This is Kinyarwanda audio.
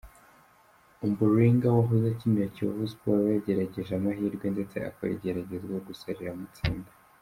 Ombolenga wahoze akinira Kiyovu Sports, we yagerageje amahirwe ndetse akora igeragezwa gusa riramutsinda.